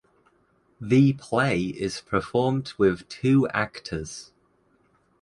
The play is performed with two actors.